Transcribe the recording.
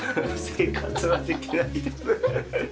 生活はできないですハハハッ。